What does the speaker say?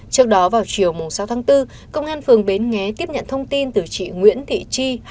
trước đó vào chiều sáu tháng bốn công an phường bến nghé tiếp nhận thông tin từ chị nguyễn thị chi